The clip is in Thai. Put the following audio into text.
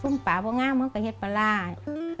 ฝึ่งป่าพองามเหลิกเคยเผาไปสื้อป่าน้ำมู้